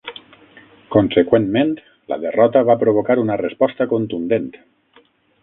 Conseqüentment, la derrota va provocar una resposta contundent.